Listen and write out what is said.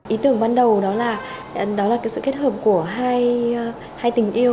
ý tưởng ban đầu đó là sự kết hợp của hai tình yêu